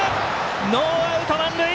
ノーアウト、満塁！